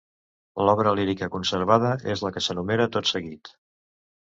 L'obra lírica conservada és la que s'enumera tot seguit.